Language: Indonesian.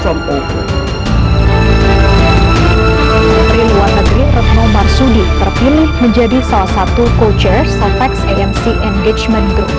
peri luar negeri renomarsudi terpilih menjadi salah satu co chair sofax amc engagement group